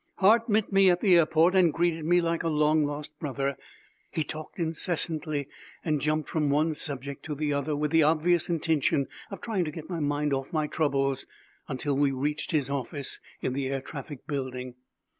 Hart met me at the airport and greeted me like a long lost brother. He talked incessantly and jumped from one subject to the other with the obvious intention of trying to get my mind off my troubles until we reached his office in the Air Traffic building.